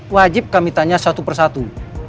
wajib kami tanya satu persatu